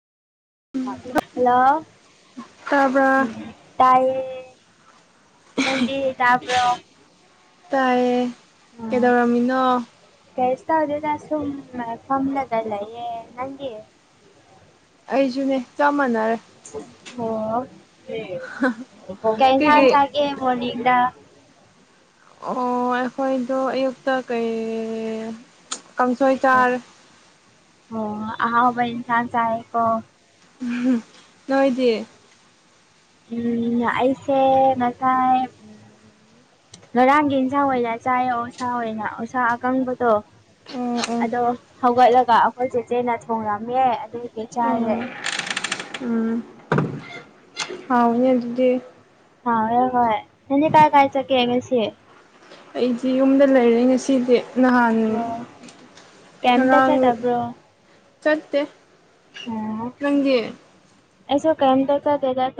hello ꯇꯥꯕ꯭ꯔꯥ ꯎꯝ ꯇꯥꯏꯌꯦ ꯅꯪꯗꯤ ꯇꯥꯕ꯭ꯔꯣ ꯇꯥꯏꯌꯦ ꯀꯩꯗꯧꯔꯝꯃꯤꯅꯣ ꯀꯩꯁ ꯇꯧꯗꯦꯗ ꯁꯨꯝ ꯐꯝꯂꯒ ꯂꯩꯌꯦ ꯅꯪꯗꯤ ꯑꯩꯁꯨꯅꯦ ꯆꯞ ꯃꯥꯟꯅꯔꯦ ꯑꯣ ꯀꯩ ꯏꯟꯁꯥꯡ ꯀꯩꯀꯩ ꯆꯥꯒꯦ ꯃꯣꯔꯅꯤꯡꯗ ꯑꯣ ꯑꯩꯈꯣꯏꯗꯣ ꯑꯌꯨꯛꯇ ꯀꯩ ꯀꯥꯡꯁꯣꯏ ꯆꯥꯔꯦ ꯑꯣ ꯑꯍꯥꯎꯕ ꯏꯟꯁꯥꯡ ꯆꯥꯏꯌꯦꯀꯣ [unintelligible] ꯅꯣꯏꯗꯤ ꯎꯝ ꯑꯩꯁꯦ ꯉꯁꯥꯏ ꯉꯔꯥꯡꯒꯤ ꯏꯟꯁꯥꯡ ꯑꯣꯏꯅ ꯆꯥꯏꯌꯦ ꯑꯣꯁꯥ ꯑꯣꯏꯅ ꯑꯣꯁꯥ ꯑꯀꯪꯕꯗꯣ ꯎꯝ ꯑꯗꯣ ꯍꯧꯒꯠꯂꯒ ꯑꯩꯈꯣꯏ ꯆꯦꯆꯦꯅ ꯊꯣꯡꯔꯝꯃꯦ ꯑꯗꯨꯒꯤ ꯆꯥꯢꯌꯦ ꯎꯝ ꯎꯝ [inaudible] ꯍꯥꯎꯅꯤ ꯑꯗꯨꯗꯤ ꯍꯥꯎꯔꯦ ꯍꯣꯏ ꯅꯪꯗꯤ ꯀꯥꯏ ꯀꯥꯢ ꯆꯠꯀꯦ ꯉꯁꯤ ꯑꯩꯗꯤ ꯌꯨꯝꯗ ꯂꯩꯔꯦ ꯉꯁꯤꯗꯤ ꯉꯍꯥꯟ ꯑꯣ ꯀꯩꯝꯇ ꯉꯔꯥꯡ ꯆꯠꯇꯕ꯭ꯔꯣ ꯆꯠꯇꯦ ꯅꯪꯗꯤ ꯑꯩꯁꯨ ꯀꯦꯝꯇ ꯆꯠꯇꯦꯗ [unintelligible]